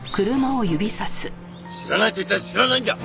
知らないと言ったら知らないんだ！